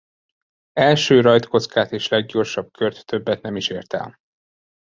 Első rajtkockát és leggyorsabb kört többet nem is ért el.